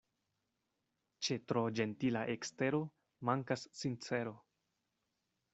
Ĉe tro ĝentila ekstero mankas sincero.